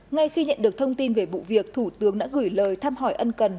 ngay khi nhận được thông tin về vụ việc thủ tướng đã gửi lời thăm hỏi ân cần